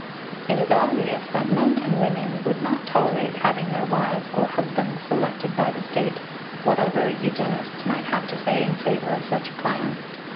It is obvious that men and women would not tolerate having their wives or husbands selected by the state, whatever eugenists might have to say in favor of such a plan.